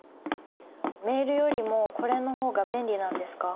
メールよりもこれの方が便利なんですか？